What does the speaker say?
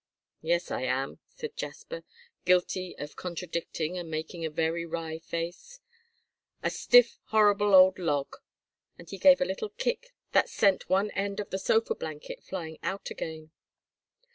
"Yes, I am," said Jasper, guilty of contradicting, and making a very wry face, "a stiff horrible old log," and he gave a little kick that sent one end of the sofa blanket flying out again.